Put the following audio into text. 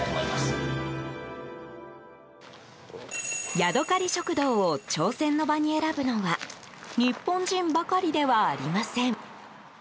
ヤドカリ食堂を挑戦の場に選ぶのは日本人ばかりではありません。